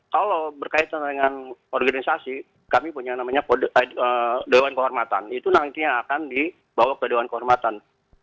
kalau berkaitan dengan organisasi kami punya namanya dewan kehormatan itu nantinya akan dibawa ke dewan kehormatan